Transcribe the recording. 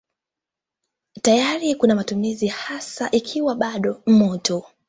Tayari kwa matumizi hasa hasa ikiwa bado moto.